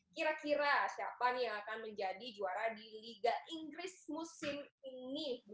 kira kira siapa nih yang akan menjadi juara di liga inggris musim ini dua ribu dua puluh dua ribu dua puluh satu